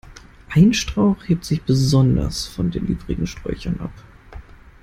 Ein Strauch hebt sich besonders von den übrigen Sträuchern ab.